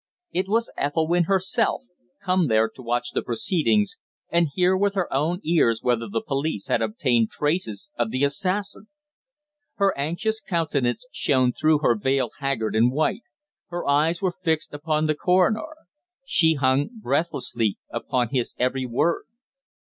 It was Ethelwynn herself come there to watch the proceedings and hear with her own ears whether the police had obtained traces of the assassin! Her anxious countenance shone through her veil haggard and white; her eyes were fixed upon the Coroner. She hung breathlessly upon his every word.